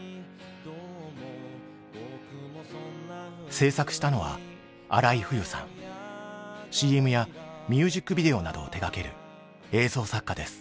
制作したのはＣＭやミュージックビデオなどを手がける映像作家です。